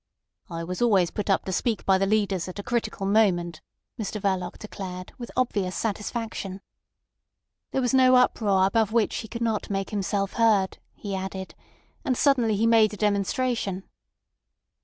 "I was always put up to speak by the leaders at a critical moment," Mr Verloc declared, with obvious satisfaction. There was no uproar above which he could not make himself heard, he added; and suddenly he made a demonstration.